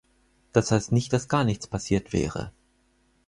Das heißt nicht, dass gar nichts passiert wäre.